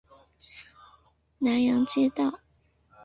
南阳街道